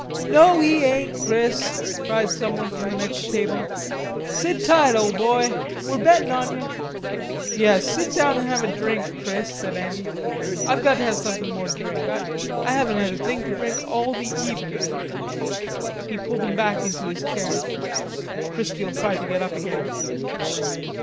"No, he ain't, Chris," cried someone from the next table. "Sit tight, ole boy. We're bettin' on yer." "Yes, sit down and have a drink, Chris," said Andy. "I've got to have somethin' more to drink. I haven't had a thing to drink all the evening." He pulled him back into his chair. Chrisfield tried to get up again.